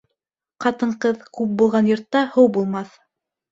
Ҡатын-ҡыҙ күп булған йортта һыу булмаҫ.